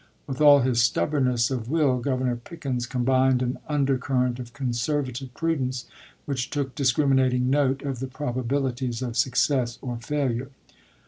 With all his stubbornness of will Governor Pickens combined an under current of conservative prudence, which took dis criminating note of the probabilities of success or failure.